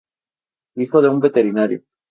Hijo de un veterinario.